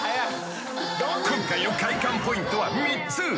今回の快感ポイントは３つ。